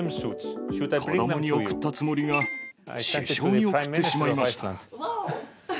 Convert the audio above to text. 子どもに送ったつもりが、首相に送ってしまいました。